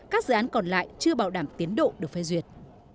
các dự án còn lại chưa bảo đảm tiến độ được phê duyệt